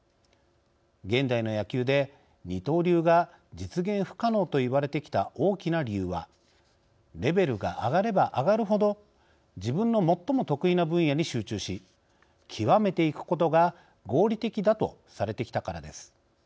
現代の野球で、二刀流が実現不可能といわれてきた大きな理由はレベルが上がれば上がるほど自分の最も得意な分野に集中し究めていくことが合理的だとされてきたからです。